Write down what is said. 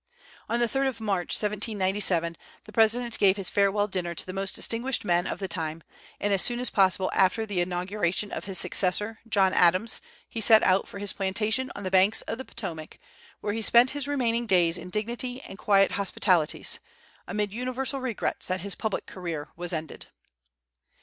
On the 3d of March, 1797, the President gave his farewell dinner to the most distinguished men of the time, and as soon as possible after the inauguration of his successor, John Adams, he set out for his plantation on the banks of the Potomac, where he spent his remaining days in dignity and quiet hospitalities, amid universal regrets that his public career was ended.